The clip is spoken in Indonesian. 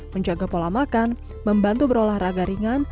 menjaga pola makan membantu berolahraga ringan